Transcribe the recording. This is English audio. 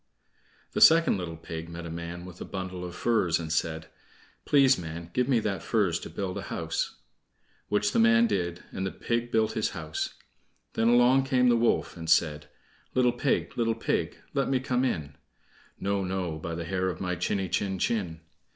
The second little pig met a man with a bundle of furze and said: "Please, man, give me that furze to build a house." Which the man did, and the pig built his house. Then along came the wolf, and said: "Little pig, little pig, let me come in." "No, no, by the hair of my chiny chin chin."